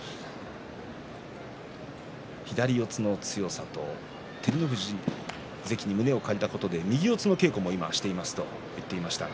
左四つの強さと照ノ富士関に胸を借りたことで右四つの稽古もしていると言ってました。